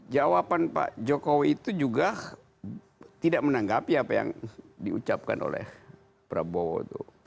jawaban pak jokowi itu juga tidak menanggapi apa yang diucapkan oleh prabowo itu